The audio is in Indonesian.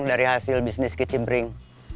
dari hasil bisnis kitchen bring